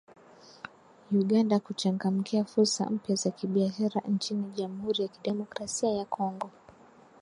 Uganda kuchangamkia fursa mpya za kibiashara nchini Jamhuri ya Kidemokrasia ya Kongo.